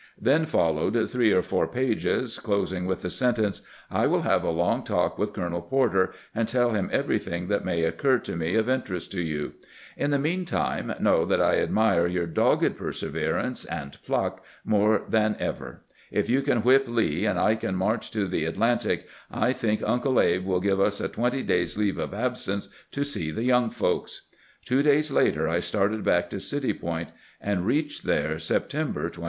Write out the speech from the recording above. Then followed three or four pages, closing with the sentence :" I will have a long talk with Colonel Porter, and tell him everything that may occur to me of interest to you. In the mean time, know that I admire your dogged perseverance and pluck more than 296 CAMPAIGNING WITH GEANT ever. If you can wliip Lee, and I can march to the At lantic, I think Uncle Abe wiU give ns a twenty days' leave of absence to see the young folks." Two days later I started back to City Point, and reached there September 27.